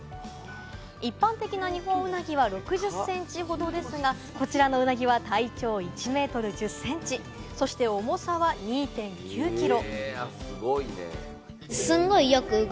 一般的なニホンウナギは６０センチほどですが、こちらの鰻は体長１ｍ１０ｃｍ、そして重さは２．９キロ。